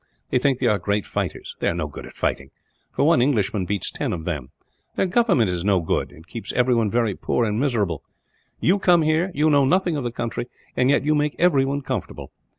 They think they are great fighters; they are no good at fighting, for one Englishman beats ten of them. Their government is no good it keeps everyone very poor and miserable. You come here; you know nothing of the country, and yet you make everyone comfortable.